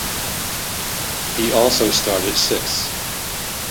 He also started six.